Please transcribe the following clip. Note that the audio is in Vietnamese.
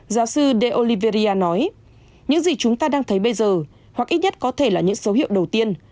giáo sư de oliveira nói những gì chúng ta đang thấy bây giờ hoặc ít nhất có thể là những dấu hiệu đầu tiên